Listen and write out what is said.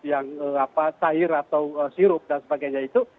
yang cair atau sirup dan sebagainya itu